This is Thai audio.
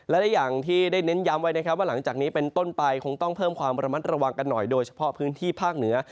และได้อย่างที่ได้เน้นย้ำไว้นะครับว่าหลังจากนี้เป็นต้นไปคงต้องเพิ่มความระมัดระวังกันหน่อยโดยเฉพาะพื้นที่ภาคเหนือ